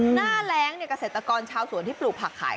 หน้าแรงเกษตรกรชาวสวนที่ปลูกผักขาย